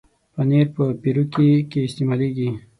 پنېر په پیروکي کې استعمالېږي.